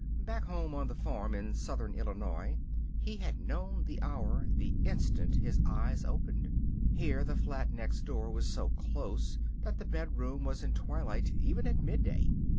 Back home on the farm in southern Illinois he had known the hour the instant his eyes opened. Here the flat next door was so close that the bed room was in twilight even at midday.